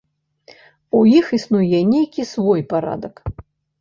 У іх існуе нейкі свой парадак.